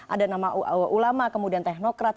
ada nama ulama kemudian teknokrat